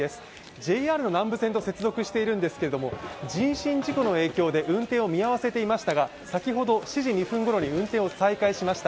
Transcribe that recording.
ＪＲの南武線と接続しているんですけど人身事故の影響で運転を見合わせていましたが先ほど７時２分ごろに運転を再開しました。